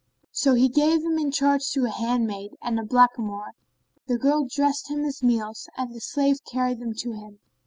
So he gave him in charge to a handmaid and a blackamoor; the girl dressed him his meals and the slave carried them to him.